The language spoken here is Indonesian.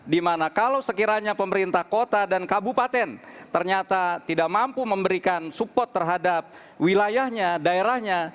dimana kalau sekiranya pemerintah kota dan kabupaten ternyata tidak mampu memberikan support terhadap wilayahnya daerahnya